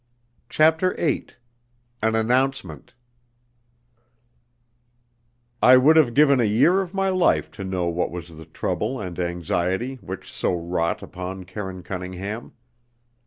CHAPTER VIII An Announcement I would have given a year of my life to know what was the trouble and anxiety which so wrought upon Karine Cunningham.